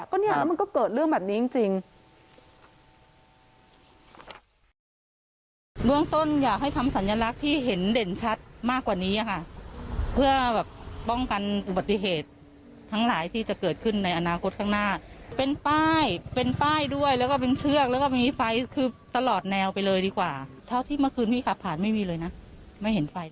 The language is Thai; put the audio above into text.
ก็เนี่ยแล้วมันก็เกิดเรื่องแบบนี้จริง